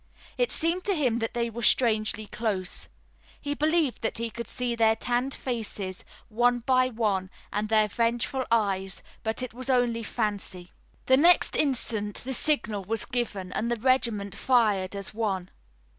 It seemed to him that they were strangely close. He believed that he could see their tanned faces, one by one, and their vengeful eyes, but it was only fancy. The next instant the signal was given, and the regiment fired as one.